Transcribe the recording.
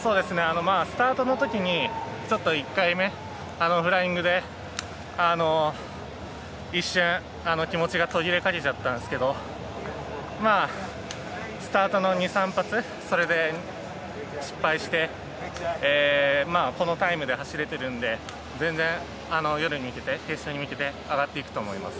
スタートのときに１回目フライングで一瞬、気持ちが途切れかけちゃったんですけどスタートの２、３発それで失敗してこのタイムで走れてるので全然、夜に向けて、決勝に向けて上がっていくと思います。